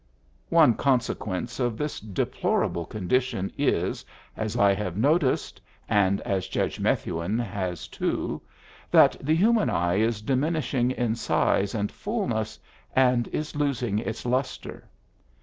One consequence of this deplorable condition is, as I have noticed (and as Judge Methuen has, too), that the human eye is diminishing in size and fulness, and is losing its lustre.